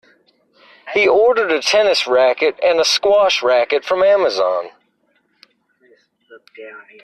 He ordered a tennis racket and a squash racket from Amazon.